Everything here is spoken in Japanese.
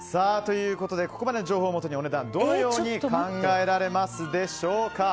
ここまでの情報をもとにお値段をどのように考えられますでしょうか。